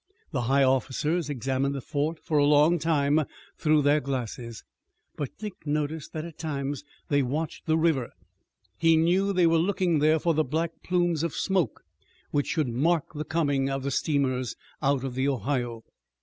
The high officers examined the fort a long time through their glasses, but Dick noticed that at times they watched the river. He knew they were looking there for the black plumes of smoke which should mark the coming of the steamers out of the Ohio.